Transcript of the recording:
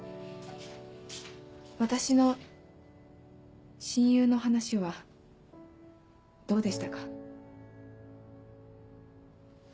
私の親友の話はどうでしたか？